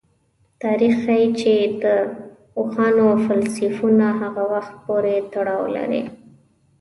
تاریخ ښيي چې د اوښانو فسیلونه هغه وخت پورې تړاو لري.